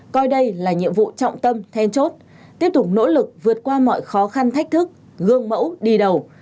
coi đây là nhiệm vụ trọng tâm then chốt tiếp tục nỗ lực vượt qua mọi khó khăn thách thức gương mẫu đi đầu